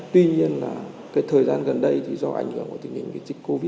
tuy nhiên là cái thời gian gần đây thì do ảnh hưởng của tình hình cái chích covid